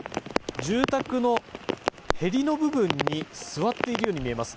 住宅のへりの部分に座っているように見えます。